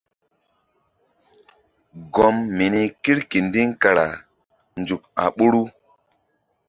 Gɔm mini kirkindiŋ kara nzuk a ɓoru.